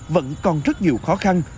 vẫn còn rất nhiều khó khăn